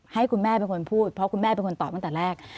ให้คุณแม่เป็นคนพูดเพราะคุณแม่เป็นคนตอบตั้งแต่แรก